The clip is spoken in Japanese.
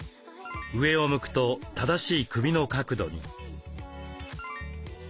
上を向くと正しい首の角度に。